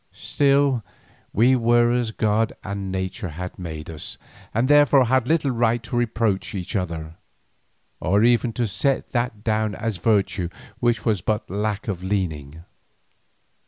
Still we were as God and Nature had made us, and therefore had little right to reproach each other, or even to set that down as virtue which was but lack of leaning.